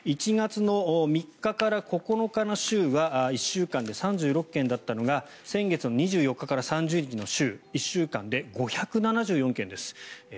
１月３日から９日の週は１週間で３６件だったのが先月２４日から３１日の週１週間で５７４件です。